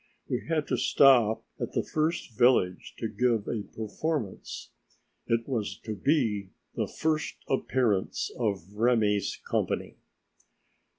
We had to stop at the first village to give a performance. It was to be the "First appearance of Remi's Company."